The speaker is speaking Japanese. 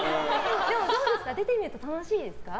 でも、どうですか出てみると楽しいですか。